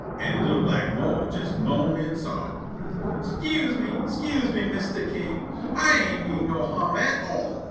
An li'l' black Mose jes moan' an' sob': "'Scuse me! 'Scuse me, Mistah King! Ah ain't mean no harm at all."